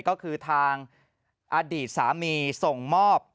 ก็คือทางอดีตสามีส่งมอบ